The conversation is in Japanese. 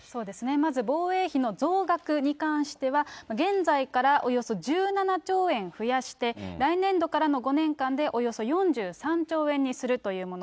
まず防衛費の増額に関しては、現在からおよそ１７兆円増やして、来年度からの５年間でおよそ４３兆円にするというもの。